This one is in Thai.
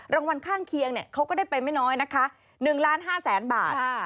รางวัลข้างเคียงเขาก็ได้เป็นไม่น้อยนะคะ๑๕๐๐๐๐๐บาท